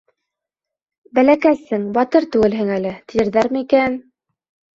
Бәләкәсһең, батыр түгелһең әле, тиерҙәрме икән?..